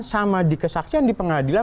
sama di kesaksian di pengadilan